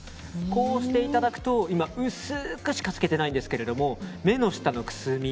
こうしていただくと今薄くしかつけていないんですが目の下のくすみ